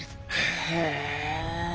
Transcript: へえ！